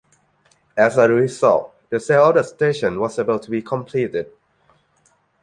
As a result, the sale of the station was able to be completed.